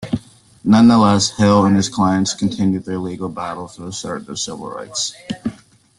Nonetheless, Hill and his clients continued their legal battles to assert their civil rights.